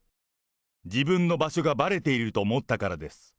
自分の場所がばれていると思ったからです。